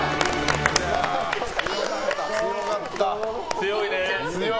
強いね。